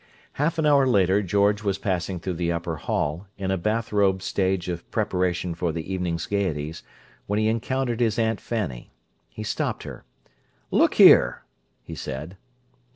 Half an hour later, George was passing through the upper hall, in a bath robe stage of preparation for the evening's' gaieties, when he encountered his Aunt Fanny. He stopped her. "Look here!" he said.